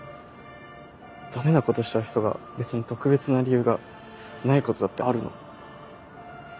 ダメなことしちゃう人が別に特別な理由がないことだってある。